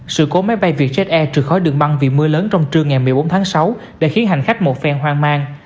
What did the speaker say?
sự cố máy bay vietjet air trư khói đường băng vì mưa lớn trong trưa ngày một mươi bốn tháng sáu đã khiến hành khách một phe hoang mang